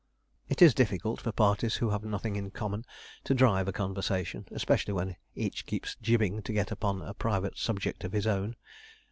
It is difficult, for parties who have nothing in common, to drive a conversation, especially when each keeps jibbing to get upon a private subject of his own.